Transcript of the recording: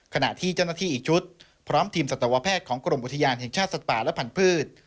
ขณะที่เจ้าหน้าที่อีกชุดพร้อมทีมสัตวแพทย์ของกรมอุทยานแห่งชาติสัตว์ป่าและพันธุ์